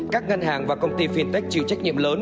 các ngân hàng và công ty fintech chịu trách nhiệm lớn